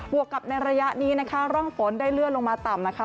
วกกับในระยะนี้นะคะร่องฝนได้เลื่อนลงมาต่ำนะคะ